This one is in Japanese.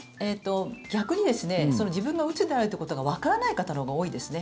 逆に自分がうつであるっていうことがわからない方のほうが多いですね。